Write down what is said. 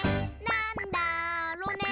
なんだろね。